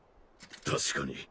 確かに。